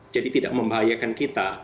jadi tidak membahayakan kita